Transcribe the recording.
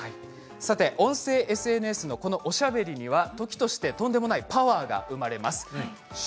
音声ＳＮＳのおしゃべりには時としてとんでもないパワーが生まれます。